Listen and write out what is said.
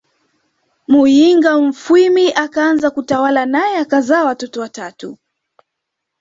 Muyinga Mfwimi akaanza kutawala nae akazaa watoto watatu